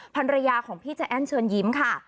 ภรรยาของพี่ใจแอ้นเชิญยิ้มค่ะ